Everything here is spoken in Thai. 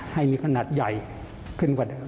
ให้มีขนาดใหญ่ขึ้นกว่าเดิม